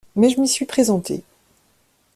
Mais je m’y suis présenté.